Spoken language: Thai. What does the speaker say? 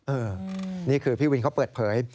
นี่คือพี่วินเขาเปิดเผย